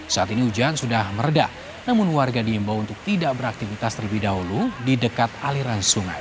saat ini hujan sudah meredah namun warga diimbau untuk tidak beraktivitas terlebih dahulu di dekat aliran sungai